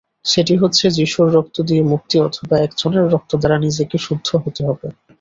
সেটি হচ্ছে যীশুর রক্ত দিয়ে মুক্তি, অথবা একজনের রক্তদ্বারা নিজেকে শুদ্ধ হতে হবে।